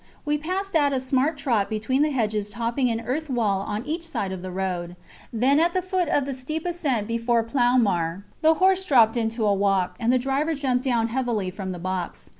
We passed at a smart trot between the hedges topping an earth wall on each side of the road; then at the foot of the steep ascent before Ploumar the horse dropped into a walk, and the driver jumped down heavily from the box.